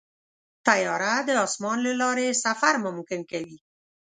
طیاره د اسمان له لارې سفر ممکن کوي.